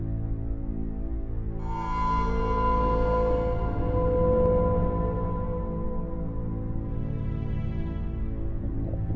aku juga heran